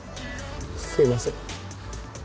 すいません